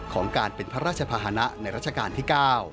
ของการเป็นพระราชภาษณะในรัชกาลที่๙